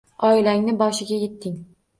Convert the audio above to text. Oilangni boshiga yetding